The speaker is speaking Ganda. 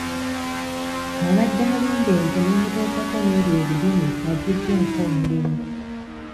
Abadde alunda ente n'emutolokako n'erya ebirime aggyiddwako omulimu.